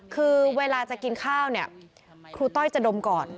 คือเวลาจะกินข้าวเนี่ยครูต้อยจะดมก่อน